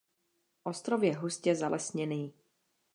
Ostrov je hustě zalesněný.